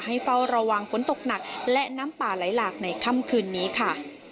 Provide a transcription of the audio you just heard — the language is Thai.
เฝ้าระวังฝนตกหนักและน้ำป่าไหลหลากในค่ำคืนนี้ค่ะ